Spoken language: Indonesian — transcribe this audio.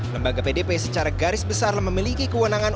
lembaga pdp secara garis besar memiliki kewenangan